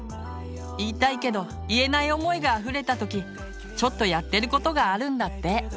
言いたいけど言えない思いがあふれた時ちょっとやってることがあるんだって。